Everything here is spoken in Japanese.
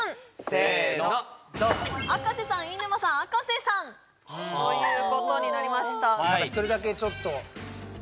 せーのあかせさん飯沼さんあかせさんということになりました